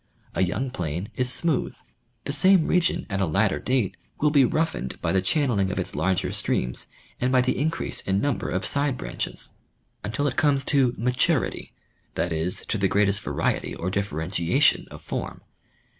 A youn^ plain is smooth. The same region at a latter date will be roughened by the channeling of its larger streams and by the increase in number of side branches, 16 National Geographic Magazine. until it comes to " maturity," that is to the greatest variety or differentiation of form.